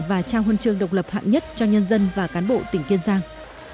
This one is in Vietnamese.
và trao huân chương độc lập hạng nhất cho nhân dân và cán bộ tỉnh kiên giang